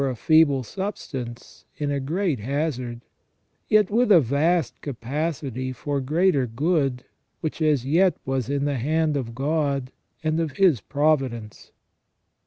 a feeble substance in a great hazard, yet with a vast capacity for greater good which as yet was in the hand of God and of His providence.